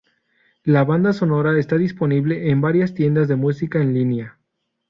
La banda sonora está disponible en varias tiendas de música en línea.